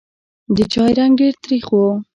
د چای رنګ ډېر تریخ و.